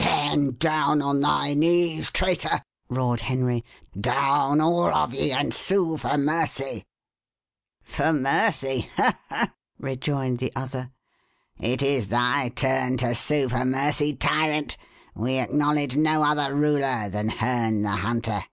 "Then down on thy knees, traitor!" roared Henry; "down all of ye, and sue for mercy." "For mercy ha! ha!" rejoined the other; "it is thy turn to sue for mercy, tyrant! We acknowledge no other ruler than Herne the Hunter."